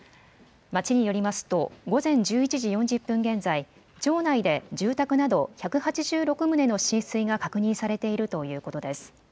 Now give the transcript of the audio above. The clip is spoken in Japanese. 町によりますと午前１１時４０分現在、町内で住宅など１８６棟の浸水が確認されているということです。